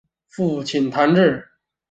父亲谭智。